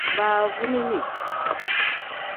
Baavunini.